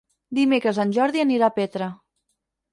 Dimecres en Jordi anirà a Petra.